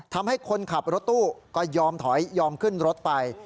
ทำให้คนขับรถตู้ก็ยอมถอยยอมขึ้นรถไป